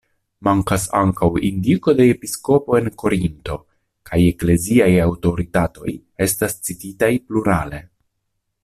Mankas ankaŭ indiko de episkopo en Korinto, kaj ekleziaj aŭtoritatoj estas cititaj plurale.